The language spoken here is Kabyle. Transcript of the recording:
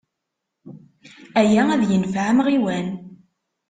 Aya ad yenfeɛ amɣiwan.